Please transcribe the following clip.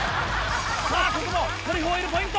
さぁここもトリュフオイルポイント！